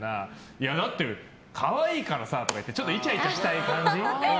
いやだって、可愛いからさ！とか言ってちょっとイチャイチャしたい感じ。